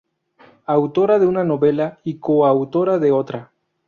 Autora de una novela y coautora de otra.